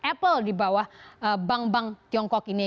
apple di bawah bank bank tiongkok ini